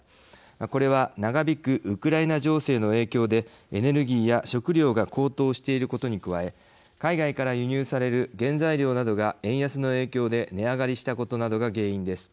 これは、長引くウクライナ情勢の影響でエネルギーや食糧が高騰していることに加え海外から輸入される原材料などが円安の影響で値上がりしたことなどが原因です。